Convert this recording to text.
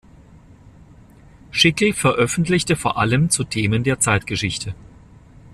Schickel veröffentlichte vor allem zu Themen der Zeitgeschichte.